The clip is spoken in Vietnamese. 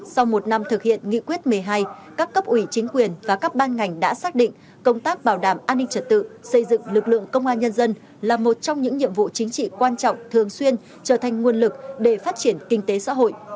sau một năm thực hiện nghị quyết một mươi hai các cấp ủy chính quyền và các ban ngành đã xác định công tác bảo đảm an ninh trật tự xây dựng lực lượng công an nhân dân là một trong những nhiệm vụ chính trị quan trọng thường xuyên trở thành nguồn lực để phát triển kinh tế xã hội